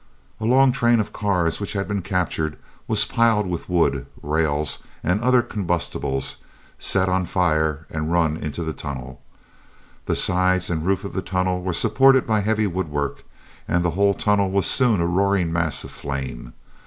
A long train of cars which had been captured was piled with wood, rails, and other combustibles, set on fire, and run into the tunnel. The sides and roof of the tunnel were supported by heavy woodwork, and the whole tunnel was soon a roaring mass of flame.